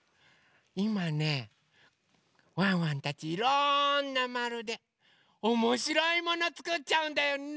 いまねワンワンたちいろんなまるでおもしろいものつくっちゃうんだよね。